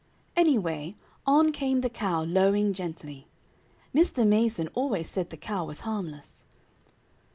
Anyway, on came the cow lowing gently. Mr. Mason always said the cow was harmless.